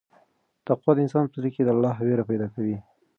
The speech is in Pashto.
تقوا د انسان په زړه کې د الله وېره پیدا کوي.